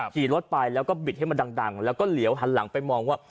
ขี่รถไปแล้วก็บิดให้มันดังแล้วก็เหลียวหันหลังไปมองว่า